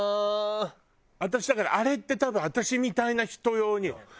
私だからあれって多分私みたいな人用によ。